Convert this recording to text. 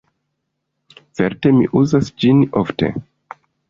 Certe, mi uzas ĝin ofte.